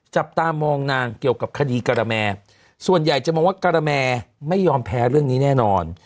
จับตามองนางเกี่ยวกับคดีการะแมส่วนใหญ่จะมองว่าการแมไม่ยอมแพ้เรื่องนี้แน่นอน